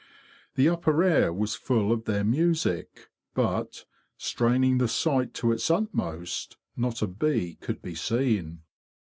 The upper air was full of their music; but, straining the sight to its utmost, not a bee. could be seen.